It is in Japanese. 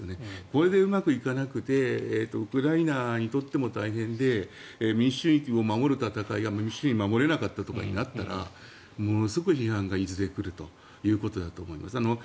これでうまくいかなくてウクライナにとっても大変で民主主義を守る戦いが民主主義を守れなかったとなったらものすごく批判がいずれ来るということだと思います。